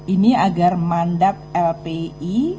ini agar mandat lpi